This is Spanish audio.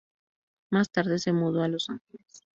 Más tarde se mudó a Los Ángeles.